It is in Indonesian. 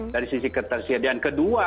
dari sisi ketersediaan kedua